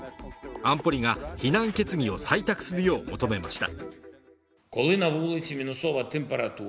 安保理が非難決議を採択するよう求めました。